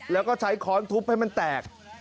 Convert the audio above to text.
แล้วก็ใช้ค้อนทุบให้มันแตก